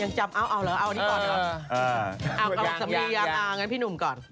ยังจำเอาอันนี้ก่อน